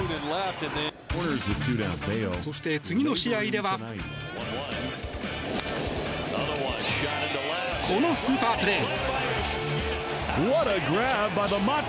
そして、次の試合ではこのスーパープレー！